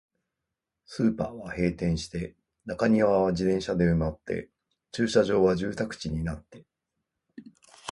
スーパーは閉店して、中庭は自転車で埋まって、駐車場は住宅地になって、